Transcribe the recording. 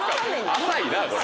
浅いなこれ。